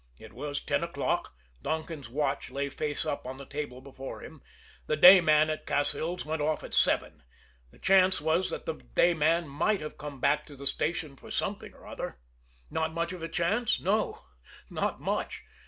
It was ten o'clock Donkin's watch lay face up on the table before him the day man at Cassil's went off at seven the chance was that the day man might have come back to the station for something or other! Not much of a chance? No not much!